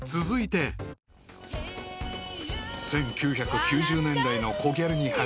［１９９０年代のコギャルに始まり］